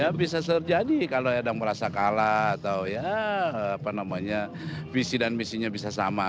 ya bisa terjadi kalau ada yang merasa kalah atau ya apa namanya visi dan misinya bisa sama